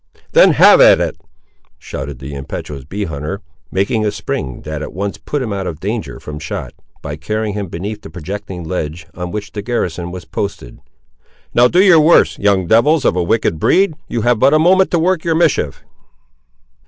"Then have at it!" shouted the impetuous bee hunter, making a spring that at once put him out of danger from shot, by carrying him beneath the projecting ledge on which the garrison was posted; "now do your worst, young devils of a wicked breed; you have but a moment to work your mischief!"